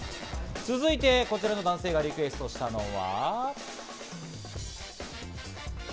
続いて、こちらの男性がリクエストしたのは。